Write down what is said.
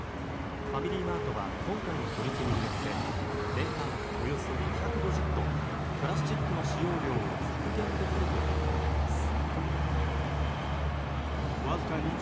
ファミリーマートは今回の取り組みによって年間およそ２５０トンプラスチックの使用量を削減できると見込んでいます。